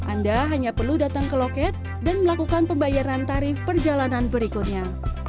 anda hanya perlu datang ke loket dan melakukan pembayaran tarif perjalanan berikutnya